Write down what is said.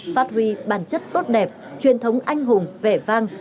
phát huy bản chất tốt đẹp truyền thống anh hùng vẻ vang